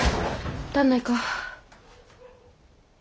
だんないか？